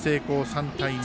３対２。